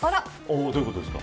どういうことですか。